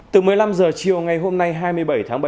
từ một mươi năm h chiều ngày hôm nay hai mươi bảy tháng bảy